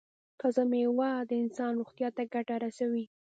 تازه میوه د انسان روغتیا ته ګټه رسوي.